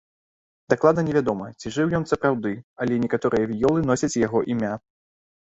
Дакладна не вядома ці жыў ён сапраўды, але некаторыя віёлы носяць яго імя.